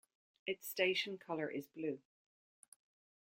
Its station colour is blue.